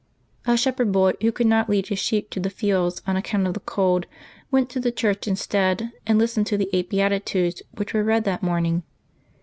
A shepherd boy, who could not lead his sheep to the fields on account of the cold, went to the church instead, and listened to the eight Beatitudes, which were read that morning.